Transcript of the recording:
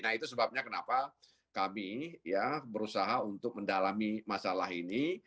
nah itu sebabnya kenapa kami berusaha untuk mendalami masalah ini